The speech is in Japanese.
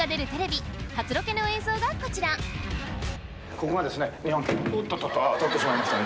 ここがですね日本おっととああ当たってしまいましたね